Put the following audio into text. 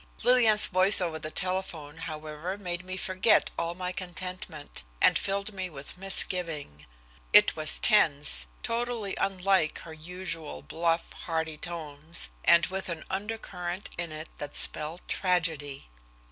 Lillian's voice over the telephone, however, made me forget all my contentment, and filled me with misgiving. It was tense, totally unlike her usual bluff, hearty tones, and with an undercurrent in it that spelled tragedy.